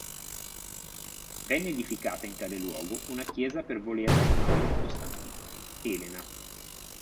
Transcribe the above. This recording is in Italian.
Venne edificata in tale luogo una chiesa per volere della madre di Costantino, Elena.